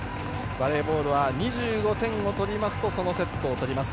バレーボールは２５点を取りますとそのセットを取ります。